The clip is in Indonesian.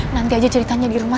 nanti aja ceritanya di rumah